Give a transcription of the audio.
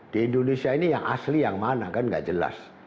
di indonesia ini yang asli yang mana kan nggak jelas